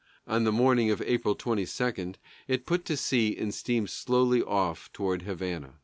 On the morning of April 22, it put to sea and steamed slowly off toward Havana.